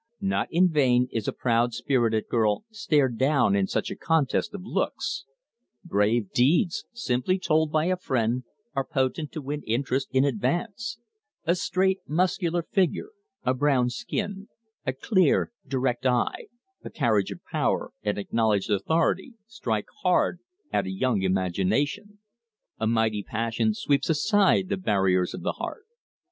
Not in vain is a proud spirited girl stared down in such a contest of looks; brave deeds simply told by a friend are potent to win interest in advance; a straight, muscular figure, a brown skin, a clear, direct eye, a carriage of power and acknowledged authority, strike hard at a young imagination; a mighty passion sweeps aside the barriers of the heart.